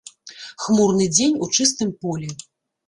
Хмурны дзень у чыстым полі.